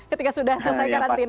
ketika sudah selesai karantina